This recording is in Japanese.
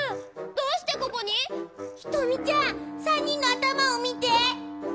どうしてここに⁉ひとみちゃん３にんのあたまをみて！